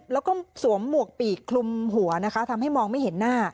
แล้วก็สวมหมวกปีกคลุมหัวนะคะทำให้มองไม่เห็นหน้า